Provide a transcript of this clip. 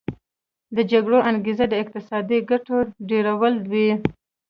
د جګړې انګیزه د اقتصادي ګټو ډیرول وي